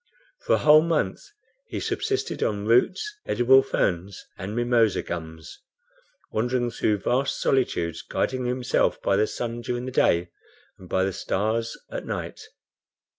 For a whole month he subsisted on roots, edible ferns and mimosa gums, wandering through vast solitudes, guiding himself by the sun during the day and by the stars at night.